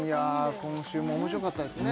今週も面白かったですね